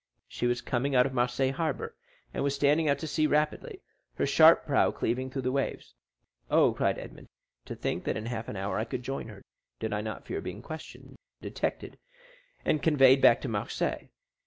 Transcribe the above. She was coming out of Marseilles harbor, and was standing out to sea rapidly, her sharp prow cleaving through the waves. "Oh," cried Edmond, "to think that in half an hour I could join her, did I not fear being questioned, detected, and conveyed back to Marseilles!